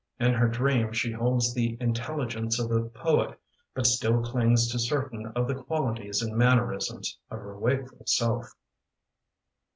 In her dream she holds the intelli gence of a poet but still clings to certain of the qualities and mannerisms of her wakeful self.